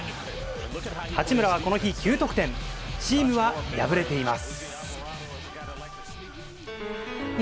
八村はこの日９得点チームは破れています。